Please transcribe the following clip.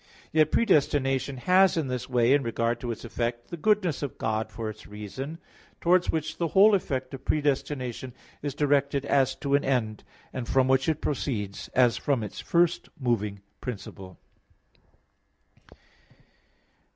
Yet predestination has in this way, in regard to its effect, the goodness of God for its reason; towards which the whole effect of predestination is directed as to an end; and from which it proceeds, as from its first moving principle.